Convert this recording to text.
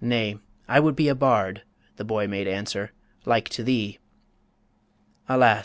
"Nay, I would be A bard," the boy made answer, "like to thee." "Alas!